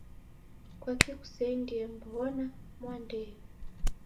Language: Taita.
Kwaki kuseendie mw'ona mwandeyo.